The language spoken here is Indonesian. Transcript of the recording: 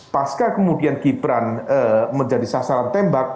pasca kemudian gibran menjadi sasaran tembak